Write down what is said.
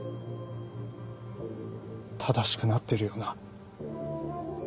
正しくなってるよな？